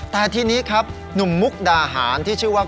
แต่ทีนี้ครับหนุ่มมุกดาหารที่ชื่อว่า